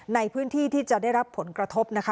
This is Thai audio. ในพื้นที่ที่จะได้รับผลกระทบนะคะ